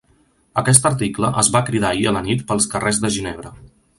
Aquest article es va cridar ahir a la nit pels carrers de Ginebra.